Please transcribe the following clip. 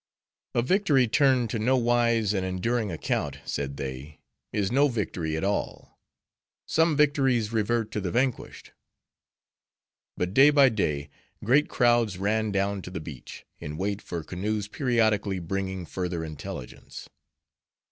A victory, turned to no wise and enduring account, said they, is no victory at all. Some victories revert to the vanquished. But day by day great crowds ran down to the beach, in wait for canoes periodically bringing further intelligence.